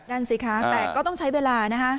นั่นสิคะแต่ก็ต้องใช้เวลานะคะ